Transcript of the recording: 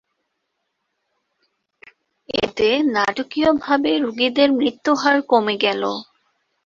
এতে নাটকীয়ভাবে রোগীদের মৃত্যুহার কমে গেলো।